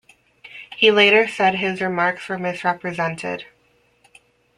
He later said his remarks were misrepresented.